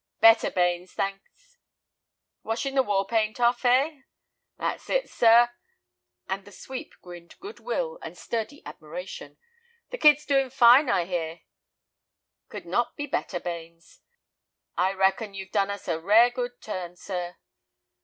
"Better, Bains, thanks. Washing the war paint off, eh?" "That's it, sir," and the sweep grinned good will and sturdy admiration; "the kid's doing fine, I hear." "Could not be better, Bains." "I reckon you've done us a rare good turn, sir."